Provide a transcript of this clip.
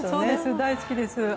大好きです。